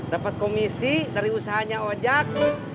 dapat komisi dari usahanya ojek